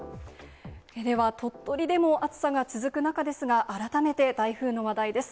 では、鳥取でも暑さが続く中ですが、改めて台風の話題です。